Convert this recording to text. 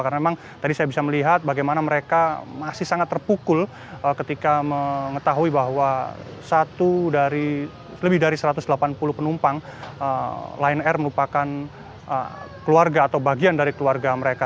karena memang tadi saya bisa melihat bagaimana mereka masih sangat terpukul ketika mengetahui bahwa satu dari lebih dari satu ratus delapan puluh penumpang line r merupakan keluarga atau bagian dari keluarga mereka